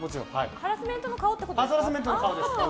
ハラスメントの顔ってことですか。